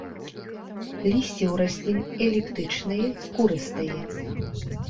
Лісце ў раслін эліптычнае, скурыстае.